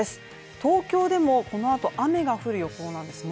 東京でもこのあと雨が降る予報なんですね